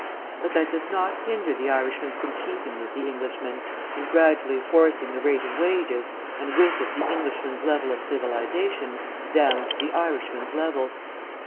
But that does not hinder the Irishman's competing with the Englishman, and gradually forcing the rate of wages, and with it the Englishman's level of civilisation, down to the Irishman's level.